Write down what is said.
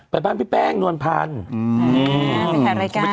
ไปบ้านพี่แป้งนวลพันธ์